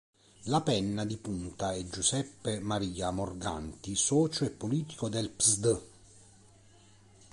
La penna di punta è Giuseppe Maria Morganti socio e politico del Psd.